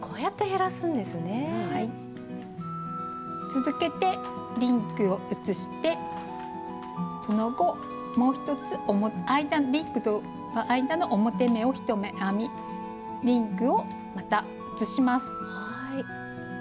続けてリングを移してその後間の表目を１目編みリングをまた移します。